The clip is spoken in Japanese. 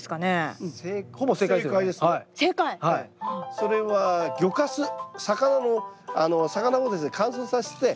それは魚をですね乾燥させて。